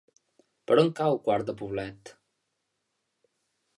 Per on cau Quart de Poblet?